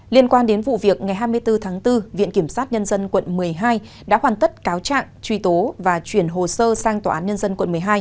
liên quan đến vụ việc ngày hai mươi bốn tháng bốn viện kiểm sát nhân dân quận một mươi hai đã hoàn tất cáo trạng truy tố và chuyển hồ sơ sang tòa án nhân dân quận một mươi hai